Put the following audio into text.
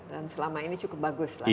dan selama ini cukup bagus lah ini